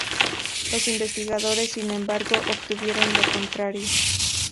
Los investigadores, sin embargo, obtuvieron lo contrario.